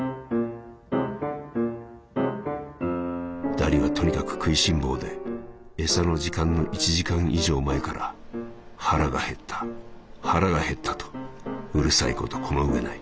「ダリはとにかく食いしん坊で餌の時間の１時間以上前から腹が減った腹が減ったとうるさいことこの上ない」。